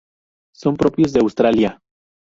Son propios de Australia.